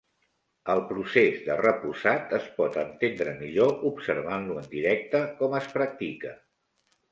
El procés de repussat es pot entendre millor observant-lo en directe com es practica.